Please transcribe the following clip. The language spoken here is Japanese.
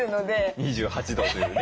２８度というね。